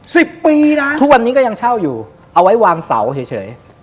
สิบปีนะทุกวันนี้ก็ยังเช่าอยู่เอาไว้วางเสาเฉยเฉย